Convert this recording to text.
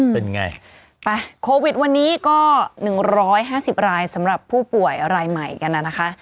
เป็นไงไปโควิดวันนี้ก็๑๕๐รายสำหรับผู้ป่วยรายใหม่กันนะคะ